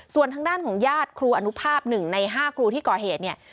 ส่วนทางด้านของญาติครูอนุภาพ๑ใน๕ครูที่ก่อเหตุเนี่ย